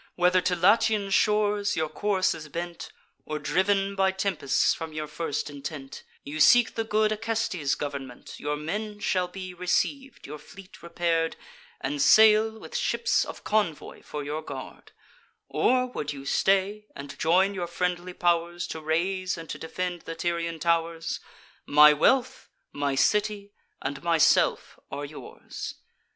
Whether to Latian shores your course is bent, Or, driv'n by tempests from your first intent, You seek the good Acestes' government, Your men shall be receiv'd, your fleet repair'd, And sail, with ships of convoy for your guard: Or, would you stay, and join your friendly pow'rs To raise and to defend the Tyrian tow'rs, My wealth, my city, and myself are yours.